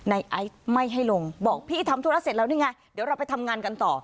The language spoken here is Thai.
ไอซ์ไม่ให้ลงบอกพี่ทำธุระเสร็จแล้วนี่ไงเดี๋ยวเราไปทำงานกันต่อ